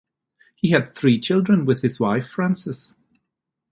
He had three children with his wife Frances.